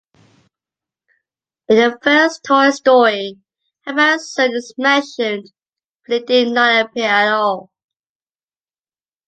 In the first Toy Story, emperor Zurg is mentioned, but he did not appear at all.